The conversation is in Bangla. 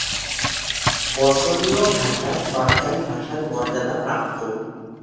বসনীয় ভাষা সরকারী ভাষার মর্যাদাপ্রাপ্ত।